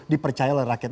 dipercaya oleh rakyat